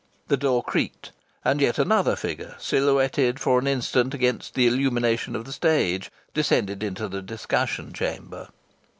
The door creaked, and yet another figure, silhouetted for an instant against the illumination of the stage, descended into the discussion chamber.